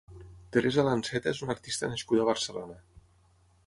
Teresa Lanceta és una artista nascuda a Barcelona.